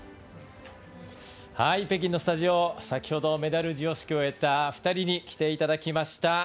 北京のスタジオ先ほどメダル授与式を終えた２人に来ていただきました。